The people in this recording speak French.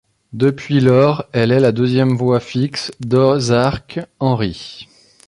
Depuis lors, elle est la deuxième voix fixe d'Ozark Henry.